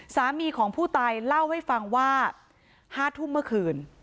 สามีของผู้ตายเล่าให้ฟังว่า๕ทุ่มเมื่อคืน